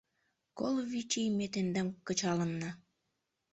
— Коло вич ий ме тендам кычалынна.